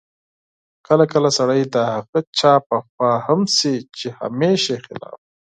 کله کله سړی د هغه چا په خوا هم شي چې همېشه یې خلاف